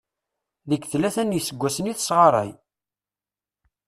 Deg tlata n yiseggasen i tesɣaray.